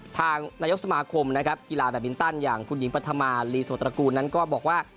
ทางนายกสมาคมนะครับกีฬาแบบมินตันอย่างคุณหญิงปัธมาลีโสตระกูลนั้นก็บอกว่า